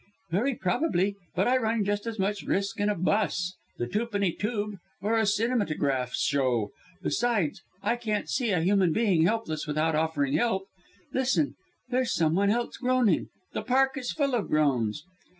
"Very probably, but I run just as much risk in a 'bus, the twopenny tube, or a cinematograph show. Besides, I can't see a human being helpless without offering help. Listen! there's some one else groaning! The Park is full of groans."